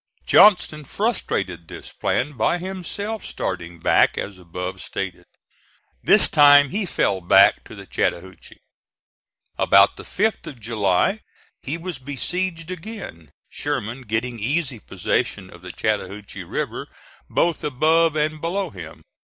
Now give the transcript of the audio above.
Johnston frustrated this plan by himself starting back as above stated. This time he fell back to the Chattahoochee. About the 5th of July he was besieged again, Sherman getting easy possession of the Chattahoochee River both above and below him.